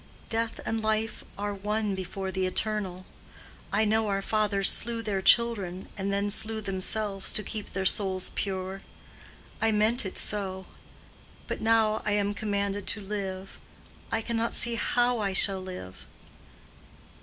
Death and life are one before the Eternal. I know our fathers slew their children and then slew themselves, to keep their souls pure. I meant it so. But now I am commanded to live. I cannot see how I shall live."